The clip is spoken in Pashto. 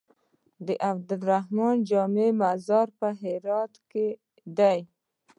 د عبدالرحمن جامي مزار په هرات کی دی